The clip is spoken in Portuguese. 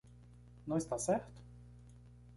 Não está certo?